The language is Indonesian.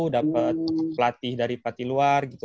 dapet latih dari pati luar gitu